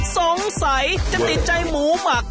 สงสัยจะติดใจหมูหมัก